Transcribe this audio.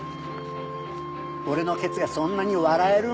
俺のケツがそんなに笑えるんか。